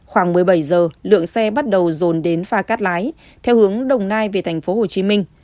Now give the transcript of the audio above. khoảng một mươi bảy giờ lượng xe bắt đầu dồn đến pha cát lái theo hướng đồng nai về thành phố hồ chí minh